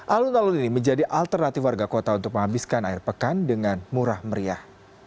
alun alun ini menjadi alternatif warga kota untuk menghabiskan air pekan dengan murah meriah